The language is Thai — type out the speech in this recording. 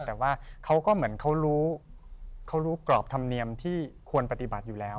แต่ว่าเขาก็เหมือนเขารู้เขารู้กรอบธรรมเนียมที่ควรปฏิบัติอยู่แล้ว